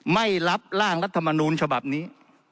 ไม่รับร่างรัฐมนูลฉบับนี้